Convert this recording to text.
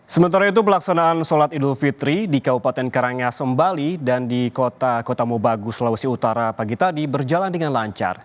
sementara itu pelaksanaan solat idul fitri di kabupaten karang asem bali dan di kota kota mobagus lausi utara pagi tadi berjalan dengan lancar